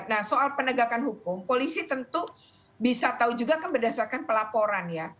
nah soal penegakan hukum polisi tentu bisa tahu juga kan berdasarkan pelaporan ya